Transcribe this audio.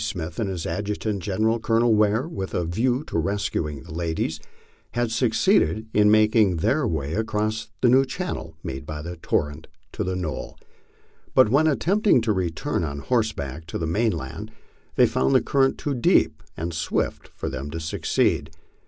Smith, and his Adjutant General, Colonel Weir, with a view to rescuing the ladies, had succeeded in making their way across the new channel made by the torrent to the knoll ; but when attempting to return on horseback to the mainland, they found the current too deep and swift for them to succeed.